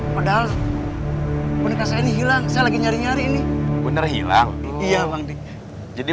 padahal menikah saya ini hilang saya lagi nyari nyari ini bener hilang iya bang jadi